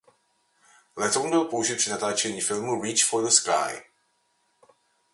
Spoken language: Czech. Letoun byl použit při natáčení filmu "Reach for the Sky".